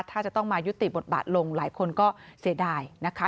ถ้าจะต้องมายุติบทบาทลงหลายคนก็เสียดายนะคะ